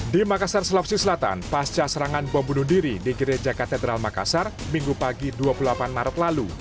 di makassar sulawesi selatan pasca serangan bom bunuh diri di gereja katedral makassar minggu pagi dua puluh delapan maret lalu